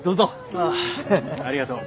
ああありがとう。